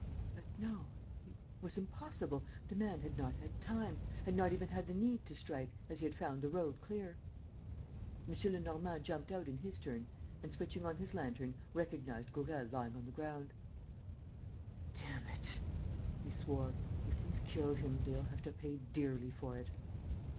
But no, it was impossible, the man had not had time, had not even had the need to strike, as he had found the road clear. M. Lenormand jumped out in his turn and, switching on his lantern, recognized Gourel lying on the ground: "Damn it!" he swore. "If they've killed him, they'll have to pay dearly for it."